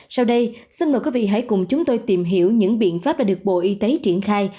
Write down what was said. sau đây xin mời quý vị hãy cùng chúng tôi tìm hiểu những biện pháp đã được bộ y tế triển khai